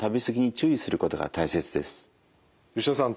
吉田さん